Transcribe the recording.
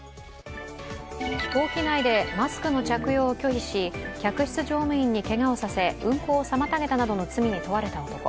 飛行機内でマスクの着用を拒否し、客室乗務員にけがをさせ、運航を妨げたなどの罪に問われた男。